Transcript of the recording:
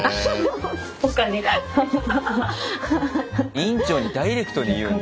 院長にダイレクトに言うんだ。